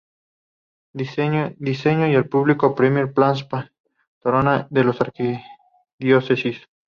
Diseñó y publicó el Primer Plan Pastoral de la Arquidiócesis.